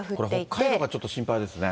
北海道がちょっと心配ですね。